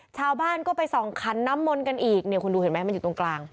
ชาวบ้านก็ไปส่องขันน้ำมนต์กันอีกเนี่ยคุณดูเห็นไหมมันอยู่ตรงกลาง